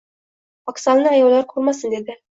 Vokzalni ayollar ko‘rmasin dedi.